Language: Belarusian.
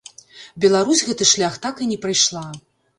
Беларусь гэты шлях так і не прайшла.